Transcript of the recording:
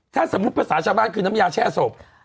ถ้าสมมุติภาษาชาวบ้านคือน้ำยาแช่ศพ